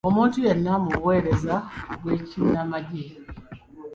Omuntu yenna mu buweereza bw'ekinnamagye.